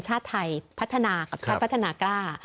ชาติไทยพัฒนากล้า